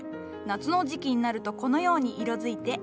夏の時期になるとこのように色づいて。